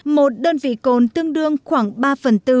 một đơn vị cồn tương đương khoảng ba phần tư